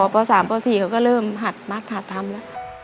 ป๓ป๔เขาก็เริ่มหัดมักหัดทำแล้ว